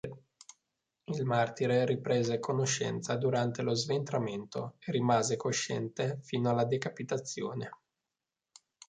Il martire riprese conoscenza durante lo sventramento e rimase cosciente fino alla decapitazione.